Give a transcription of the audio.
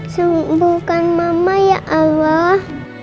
sembuhkan mama ya allah